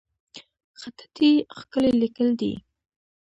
خطاطي ښکلی لیکل دي